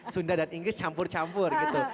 sunda dan inggris campur campur gitu